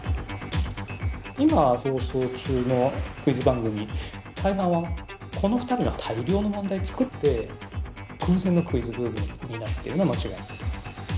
今放送中のクイズ番組大半はこの２人が大量の問題作って空前のクイズブームになってるのは間違いないと思います。